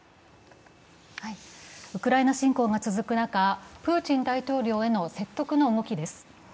ウクライナ侵攻が続く中、プーチン大統領への説得の動きです。